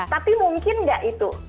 tapi mungkin gak itu